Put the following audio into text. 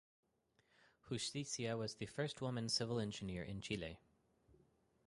Justicia was the first woman civil engineer in Chile.